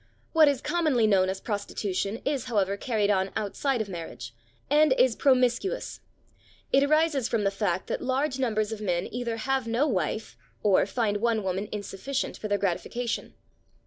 What is commonly known as prostitution is, however, carried on outside of marriage, and is promiscuous. It arises from the fact that large numbers of men either have no wife or find one woman insufficient for their gratification.